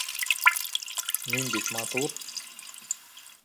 Мин бит матур.